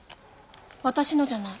私のじゃない。